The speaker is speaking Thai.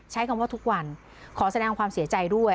ใช้คำว่าทุกวันขอแสดงความเสียใจด้วย